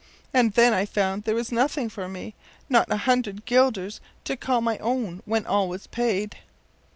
And then I found there was nothing for me not a hundred guilders to call my own when all was paid.